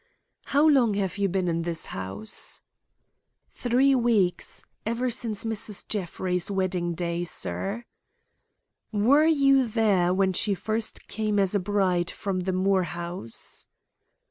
"How long have you been in this house?" "Three weeks. Ever since Mrs. Jeffrey's wedding day, sir." "Were you there when she first came as a bride from the Moore house?"